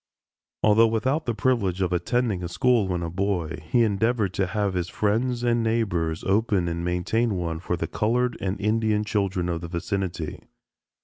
Although without the privilege of attending a school when a boy, he endeavored to have his friends and neighbors open and maintain one for the colored and Indian children of the vicinity.